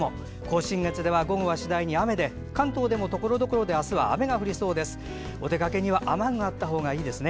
甲信越では午後は次第に雨で関東でも、ところどころで明日は雨が降りそうです。